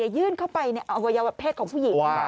ยื่นเข้าไปในอวัยวะเพศของผู้หญิง